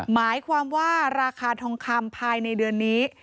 หมายความว่าราคาทองคำภายในเดือนนี้